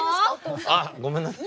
あっごめんなさい。